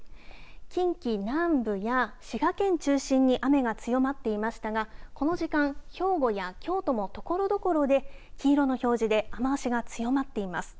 近畿南部や滋賀県中心に雨が強まっていましたがこの時間、兵庫や京都もところどころで黄色の表示で雨足が強まっています。